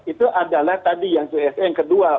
itu adalah tadi yang kedua